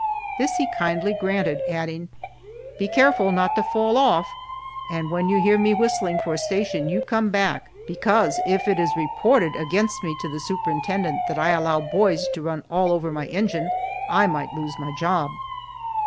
This he kindly granted, adding, "Be careful not to fall off, and when you hear me whistling for a station you come back, because if it is reported against me to the superintendent that I allow boys to run all over my engine I might lose my job."